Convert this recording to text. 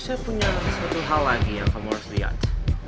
saya punya satu hal lagi yang kamu harus lihat